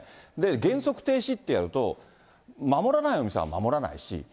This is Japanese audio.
原則停止ってやると、守らないお店は守らないし。